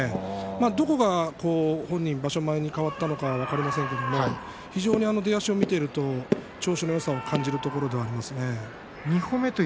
どこが本人も場所前に変わったのか分かりませんが非常に出足を見ていると調子のよさを感じるところでもあります。